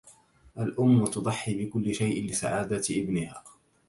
الأمّ تضحّي بكلّ شيء لسعادة إبنها.